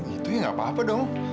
itu ya nggak apa apa dong